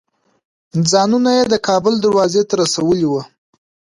ځانونه یې د کابل دروازو ته رسولي وو.